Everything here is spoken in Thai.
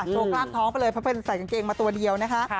กล้ามท้องไปเลยเพราะเป็นใส่กางเกงมาตัวเดียวนะคะ